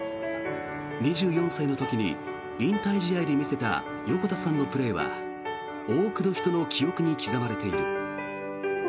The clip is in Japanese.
２４歳の時に引退試合で見せた横田さんのプレーは多くの人の記憶に刻まれている。